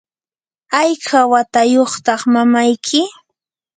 ¿hayka watayuqta mamayki?